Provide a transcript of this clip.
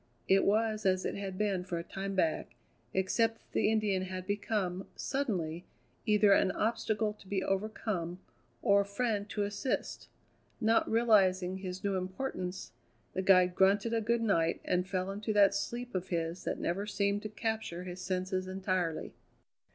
It was as it had been for a time back, except that the Indian had become, suddenly, either an obstacle to be overcome or a friend to assist. Not realizing his new importance, the guide grunted a good night and fell into that sleep of his that never seemed to capture his senses entirely.